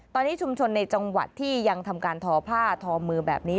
ตอนนี้ชุมชนในจังหวัดที่ยังทำการทอผ้าทอมือแบบนี้